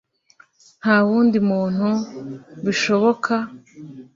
ntawundi muntu bishoboka